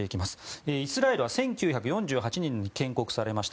イスラエルは１９４８年に建国されました。